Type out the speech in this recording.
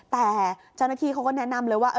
แต่เจ้าหน้าที่เขาก็แนะนำเลยว่า